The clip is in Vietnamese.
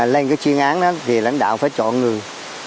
lên cái chuyên án đó thì lãnh đạo phải chọn người